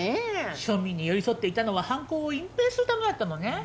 庶民に寄り添っていたのは犯行を隠蔽するためだったのね。